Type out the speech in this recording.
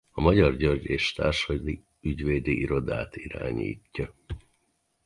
A Magyar György és Társai Ügyvédi Irodát irányítja.